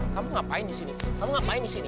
kamu ngapain di sini kamu ngapain di sini